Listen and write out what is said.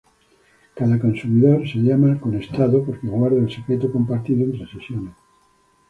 Cada consumidor es llamado "con estado" porque guarda el secreto compartido entre sesiones.